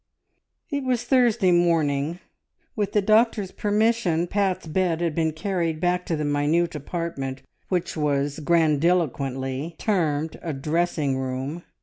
It was Thursday morning. With the doctor's permission Pat's bed had been carried back to the minute apartment which was grandiloquently termed a "dressing room."